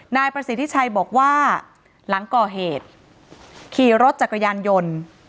นายประสิทธิชัยบอกว่าหลังก่อเหตุขี่รถจักรยานยนต์